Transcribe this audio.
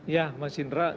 ya mas indra